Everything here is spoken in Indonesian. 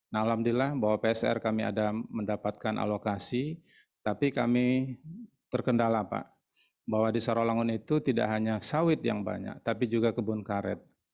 nah alhamdulillah bahwa psr kami ada mendapatkan alokasi tapi kami terkendala pak bahwa di sarawangun itu tidak hanya sawit yang banyak tapi juga kebun karet